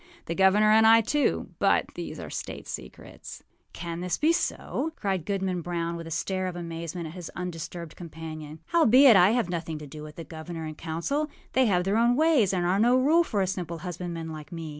The governor and I, tooâBut these are state secrets.â âCan this be so?â cried Goodman Brown, with a stare of amazement at his undisturbed companion. âHowbeit, I have nothing to do with the governor and council; they have their own ways, and are no rule for a simple husbandman like me.